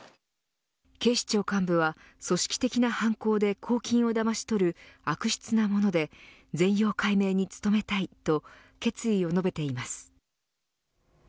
警視庁幹部は組織的な犯行で公金をだまし取る悪質なもので全容解明に努めたいと決意を述べています。